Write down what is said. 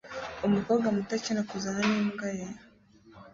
Umukobwa muto akina kuzana n'imbwa yera